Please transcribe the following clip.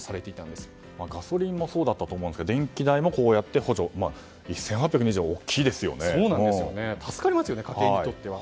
ガソリンもそうだったと思いますが電気代もこうやって補助、１８２０円は助かりますよね、家計にとって。